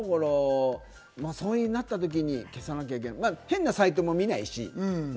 そうなったときに消さなきゃいけない変なサイトも見ないし。